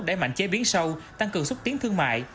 đẩy mạnh chế biến sâu tăng cường xúc tiến thương mại